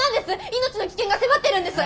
命の危険が迫ってるんです！